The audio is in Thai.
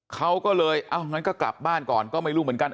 เขาก็เลยเอางั้นก็กลับบ้านก่อนก็ไม่รู้เหมือนกัน